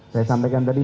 saya sampaikan tadi